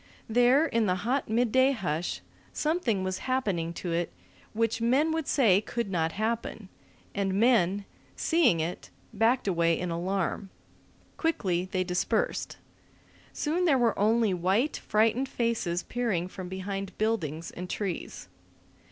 There, in the hot midday hush, something was happening to it which men would say could not happen; and men, seeing it, backed away in alarm. Quickly they dispersed. Soon there were only white, frightened faces peering from behind buildings and trees.